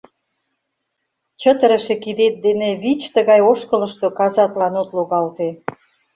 Чытырыше кидет дене вич тыгай ошкылышто казатлан от логалте...